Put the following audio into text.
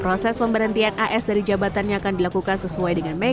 proses pemberhentian as dari jabatannya akan dilakukan sesuai dengan mekanisme